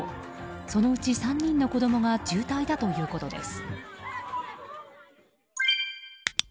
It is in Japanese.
そのうち３人の子供が重体だということです。